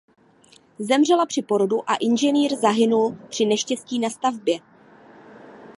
Zemřela při porodu a inženýr zahynul při neštěstí na stavbě.